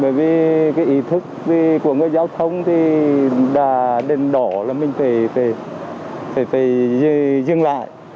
bởi vì cái ý thức của người giao thông thì đèn đỏ là mình phải dừng lại